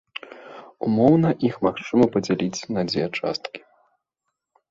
Умоўна іх магчыма падзяліць на дзве часткі.